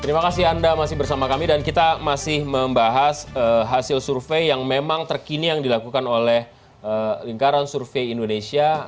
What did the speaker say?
terima kasih anda masih bersama kami dan kita masih membahas hasil survei yang memang terkini yang dilakukan oleh lingkaran survei indonesia